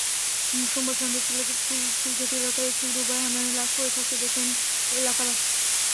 সোমবার সন্ধ্যায় চুলকাঠি এলাকার একটি ডোবায় হান্নানের লাশ পড়ে থাকতে দেখেন এলাকাবাসী।